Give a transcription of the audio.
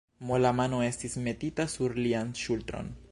Mola mano estis metita sur lian ŝultron.